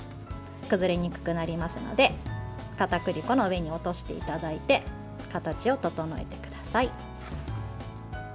崩れにくくなりますのでかたくり粉の上に落としていただいて形を整えてください。